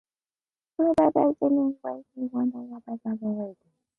Breuer designed his Long Chair as well as experimenting with bent and formed plywood.